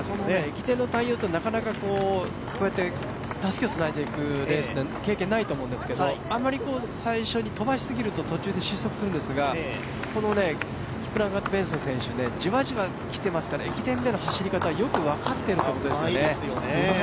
駅伝の対応というのは、たすきをつないでいく経験ってないと思うんですけど、あまり最初に飛ばしすぎると途中で失速するんですがこのキプランガット・ベンソン選手じわじわ来ていますから、駅伝での走り方、よく分かってると思いますね。